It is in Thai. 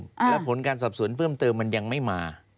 แล้วผลการสอบสวนเพิ่มเติมมันยังไม่มา